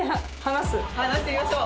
離してみましょう！